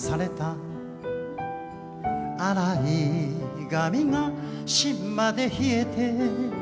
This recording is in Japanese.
「洗い髪が芯まで冷えて」